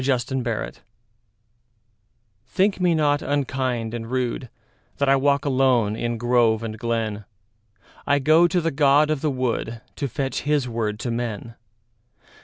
The Apology THINK me not unkind and rudeThat I walk alone in grove and glen;I go to the god of the woodTo fetch his word to men.